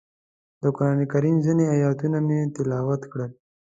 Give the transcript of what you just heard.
د قرانکریم ځینې ایتونه مې تلاوت کړل.